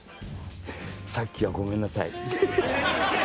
「さっきはごめんなさい」。